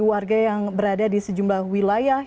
warga yang berada di sejumlah wilayah